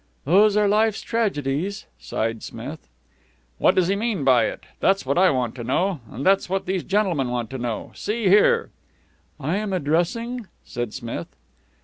"These are life's tragedies," sighed Smith. "What does he mean by it? That's what I want to know. And that's what these gentlemen want to know. See here " "I am addressing " said Smith.